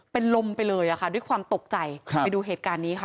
เป็นลมไปเลยอะค่ะด้วยความตกใจไปดูเหตุการณ์นี้ค่ะ